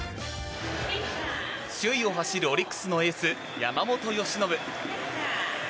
首位を走るオリックスのエース、山本由伸。